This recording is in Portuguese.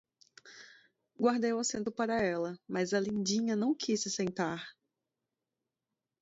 Guardei o assento para ela, mas a lindinha não quis se sentar.